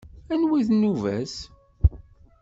Anwa i d nnuba-s?